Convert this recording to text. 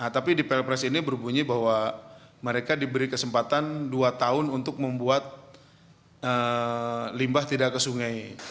tapi di perpres ini berbunyi bahwa mereka diberi kesempatan dua tahun untuk membuat limbah tidak ke sungai